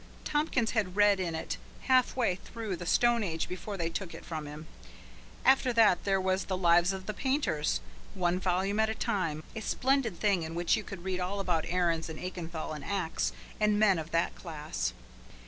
Tompkins had read in it half way through the Stone Age before they took it from him. After that there was the "Lives of the Painters," one volume at a time a splendid thing in which you could read all about Aahrens, and Aachenthal, and Aax and men of that class.